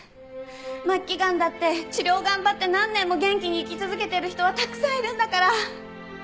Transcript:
末期癌だって治療を頑張って何年も元気に生き続けてる人はたくさんいるんだから！